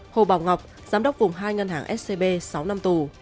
hồ bảo ngọc giám đốc vùng hai ngân hàng scb sáu năm tù